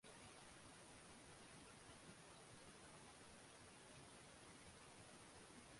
কাজী কাদের প্রকাশ্যে পাকিস্তান সেনাবাহিনীকে সমর্থন ও সহায়তা করেন।